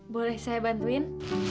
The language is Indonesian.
boleh saya bantuin